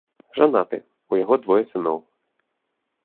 Жанаты, у яго двое сыноў.